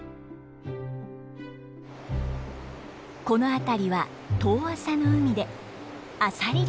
この辺りは遠浅の海でアサリ漁が盛ん。